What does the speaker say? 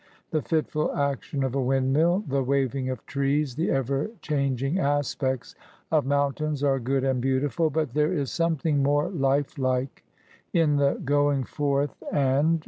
The fitful action of a windmill, — the waving of trees, the ever changing aspects of mountains are good and beautiful ; but there is something more life like in the going forth and 46 ESSAYS.